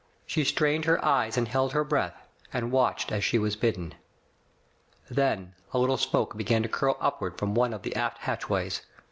She strained her eyes and held her breath, and watched as she was bidden. Then a little smoke began to curl upward from one of the aft hatchways.